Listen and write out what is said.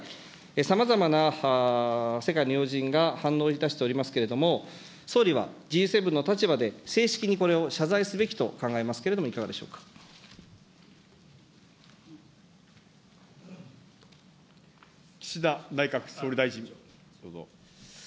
さまざまな世界の要人が反応いたしておりますけれども、総理はＧ７の立場で正式にこれを謝罪すべきと考えますけれども、いかがで岸田内閣総理大臣。